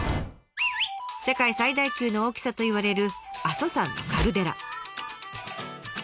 世界最大級の大きさといわれる阿蘇山のカルデラ。